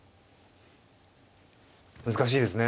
難しいですね。